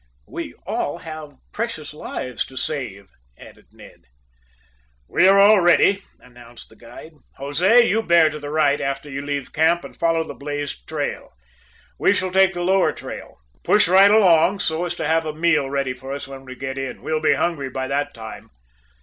"We all have precious lives to save," added Ned. "We are all ready," announced the guide. "Jose, you bear to the right after you leave camp and follow the blazed trail. We shall take the lower trail. Push right along so as to have a meal ready for us when we get in. We'll be hungry by that time."